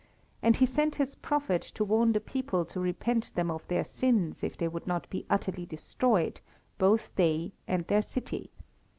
And He sent His prophet to warn the people to repent them of their sins if they would not be utterly destroyed, both they and their city.